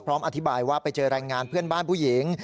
อธิบายว่าไปเจอแรงงานเพื่อนบ้านผู้หญิง